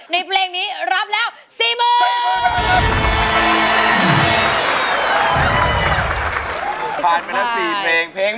ในเพลงนี้รับแล้ว๔มือน